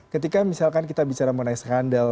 ketika misalkan kita bicara mengenai skandal